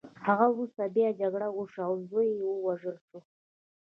خو وروسته بیا جګړه وشوه او زوی یې ووژل شو.